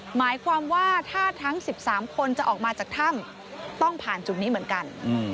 หมายความว่าถ้าทั้ง๑๓คนจะออกมาจากถ้ำต้องผ่านจุดนี้เหมือนกัน